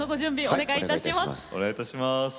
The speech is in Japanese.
お願いいたします。